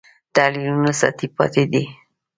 تحلیلونه سطحي پاتې دي.